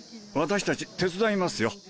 私たち手伝いますよ。